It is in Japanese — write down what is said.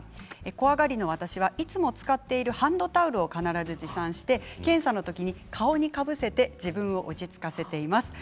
怖がりの私はいつも使っているハンドタオルを必ず持参して検査のときに顔にかぶせて自分を落ち着かせています。